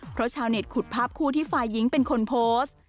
เพราะชาวเน็ตขุดภาพคู่ที่ฝ่ายหญิงเป็นคนโพสต์